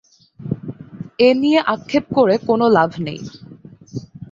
এ নিয়ে আক্ষেপ করে কোনো লাভ নেই।